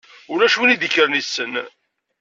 Ulac wi d-ikkren issen.